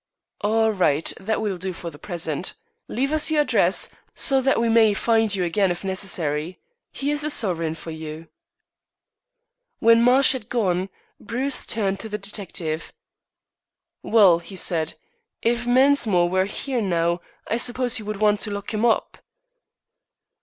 "All right. That will do for the present. Leave us your address, so that we may find you again if necessary. Here is a sovereign for you." When Marsh had gone, Bruce turned to the detective. "Well," he said, "if Mensmore were here now, I suppose you would want to lock him up."